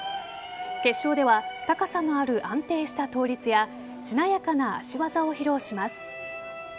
決勝では高さのある安定した倒立やしなやかな足技を披露します。